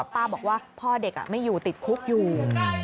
ป้าบอกว่าพ่อเด็กไม่อยู่ติดคุกอยู่